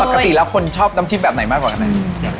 ปกติแล้วคนชอบน้ำจิ้มแบบไหนมากกว่ากันไหน